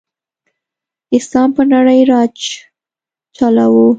اسلام په نړۍ راج چلاؤ.